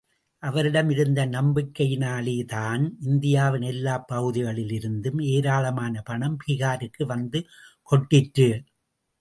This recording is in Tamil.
அவரிடம் இருந்த நம்பிக்கையினாலேதான் இந்தியாவின் எல்லா பகுதிகளிலிருந்தும் ஏராளமான பணம் பீகாருக்கு வந்து கொட்டிற்று.